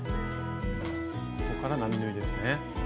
ここから並縫いですね。